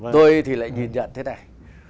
tôi thì lại nhìn nhận thế này